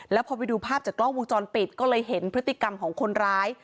แล้วพอไปดูภาพจากกล้องวงจรปิดก็เลยเห็นพฤติกรรมของคนร้าย